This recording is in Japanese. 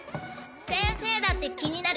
先生だって気になるくせに。